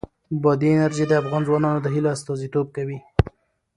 بادي انرژي د افغان ځوانانو د هیلو استازیتوب کوي.